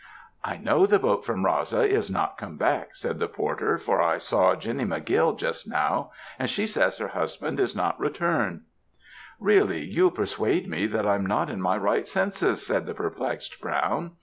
"'I know the boat from Raasa is not come back,' said the porter; 'for I saw Jenny McGill just now, and she says her husband is not returned.' "'Really you'll persuade me that I'm not in my right senses,' said the perplexed Brown.